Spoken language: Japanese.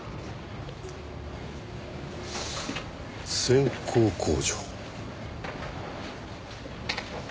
線香工場。